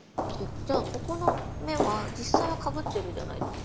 じゃあここの目は実際はかぶってるじゃないですか。